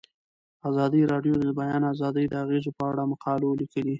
ازادي راډیو د د بیان آزادي د اغیزو په اړه مقالو لیکلي.